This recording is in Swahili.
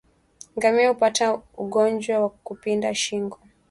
Ngamia hupata ugonjwa wa kupinda shingo